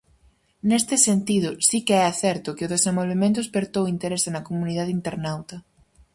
Neste sentido, si que é certo que o desenvolvemento espertou interese na comunidade internauta.